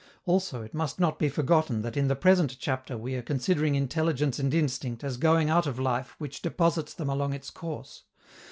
Also, it must not be forgotten that in the present chapter we are considering intelligence and instinct as going out of life which deposits them along its course.